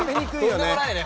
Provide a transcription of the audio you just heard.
とんでもないね